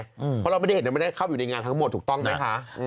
เพราะเราไม่ได้เห็นไม่ได้เข้าอยู่ในงานทั้งหมดถูกต้องไหมคะ